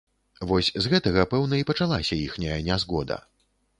Вось з гэтага, пэўна, і пачалася іхняя нязгода.